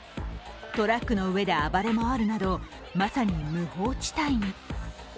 トラックの上で暴れ回るなどまさに無法地帯に。